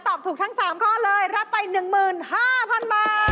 ตอบถูกทั้ง๓ข้อเลยรับไป๑๕๐๐๐บาท